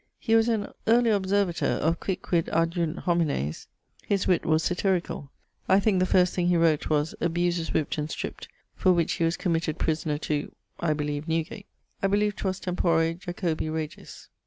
He was an early observator of Quicquid agunt homines; his witt was satyricall. I thinke the first thing he wrote was 'Abuses whipt and stript,' for which he was committed prisoner to ... (I beleeve, Newgate). I believe 'twas tempore Jacobi regis.